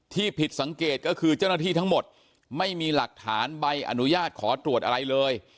ผิดสังเกตก็คือเจ้าหน้าที่ทั้งหมดไม่มีหลักฐานใบอนุญาตขอตรวจอะไรเลย